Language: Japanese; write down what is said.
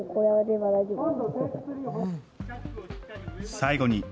最後に。